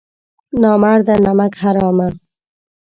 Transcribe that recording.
نامرده نمک حرامه!